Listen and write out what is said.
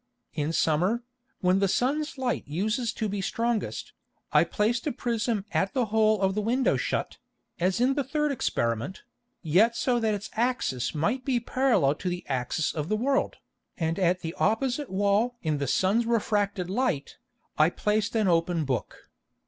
In Summer, when the Sun's Light uses to be strongest, I placed a Prism at the Hole of the Window shut, as in the third Experiment, yet so that its Axis might be parallel to the Axis of the World, and at the opposite Wall in the Sun's refracted Light, I placed an open Book.